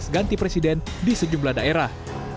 ganti presiden di sejumlah daerah